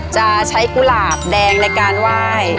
จะใช้กุหลาบแดงในการไหว้